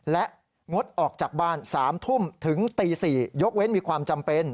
และงดออกจากบ้าน๓ทุ่มถึงตี๔ยกเว้นมีความจำเป็น